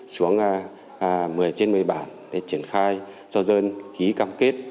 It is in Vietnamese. xuống một mươi trên một mươi bản để triển khai cho dân ký cam kết